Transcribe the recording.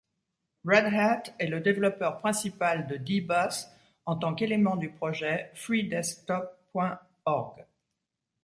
Red Hat est le développeur principal de D-Bus, en tant qu'élément du projet freedesktop.org.